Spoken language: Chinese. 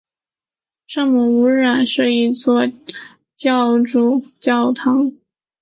圣母无染原罪主教座堂是位于摩纳哥摩纳哥城的一座天主教主教座堂。